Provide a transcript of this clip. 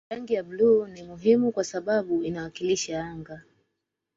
Rangi ya bluu ni muhimu kwa sababu inawakilisha anga